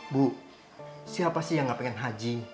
bu siapa sih yang gak pengen haji